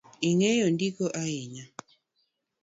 Ing’eyo ndiko ahinya